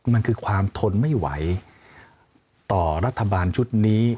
มันคือความทนไม่ไหวต่อรัฐบาลชุดนี้